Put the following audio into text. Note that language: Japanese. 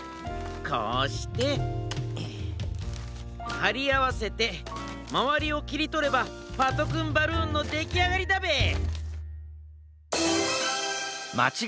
こうしてはりあわせてまわりをきりとればパトくんバルーンのできあがりだべえ。